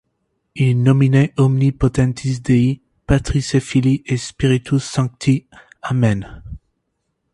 In nomine omnipotentis Dei, Patris et Filii et Spiritus Sancti, Amen.